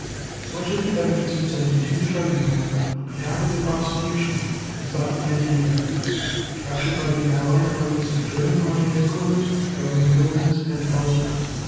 Much of the evidence presented to the Tribunal on behalf of the Prosecution was documentary evidence, captured by the Allied armies in German army headquarters, Government buildings, and elsewhere.